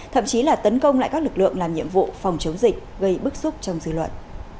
thậm chí là tấn công lại các lực lượng làm nhiệm vụ phòng chống dịch gây bức xúc trong dư luận